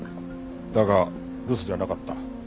だが留守じゃなかった。